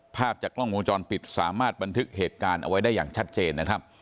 ภาพจากกล้องวงจรปิดสามารถบันทึกเหตุการณ์เอาไว้ได้อย่างชัดเจนนะครับ